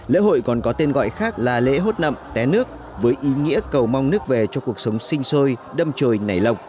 lễ hội còn có tên gọi khác là lễ hút nậm té nước với ý nghĩa cầu mong nước về cho cuộc sống sinh sôi đâm trời nảy lọc